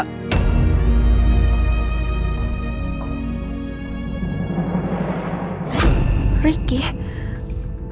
oks alternatives yang